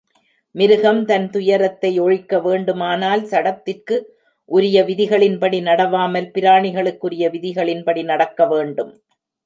மிருகம் தன் துயரத்தை ஒழிக்க வேண்டுமானால், சடத்திற்கு உரிய விதிகளின்படி நடவாமல், பிராணிகளுக்கு உரிய விதிகளின்படி நடக்க வேண்டும்.